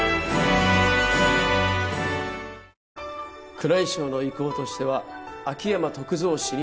「宮内省の意向としては秋山篤蔵氏に」